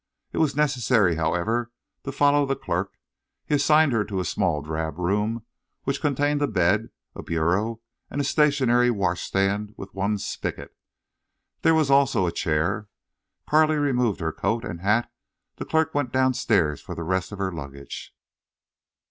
It was necessary, however, to follow the clerk. He assigned her to a small drab room which contained a bed, a bureau, and a stationary washstand with one spigot. There was also a chair. While Carley removed her coat and hat the clerk went downstairs for the rest of her luggage.